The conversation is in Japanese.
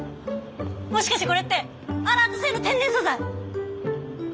もしかしてこれってアラート星の天然素材？